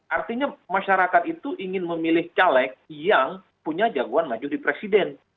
artinya masyarakat itu ingin memilih caleg yang punya jagoan maju di presiden